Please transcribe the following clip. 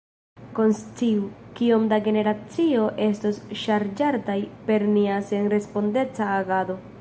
Konsciu, kiom da generacioj estos ŝarĝataj per nia senrespondeca agado.